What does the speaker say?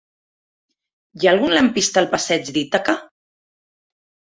Hi ha algun lampista al passeig d'Ítaca?